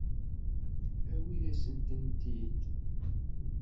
Awi-asent-tent-id.